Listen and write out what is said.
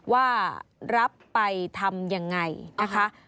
ว่ารับไปทำยังไงนะคะ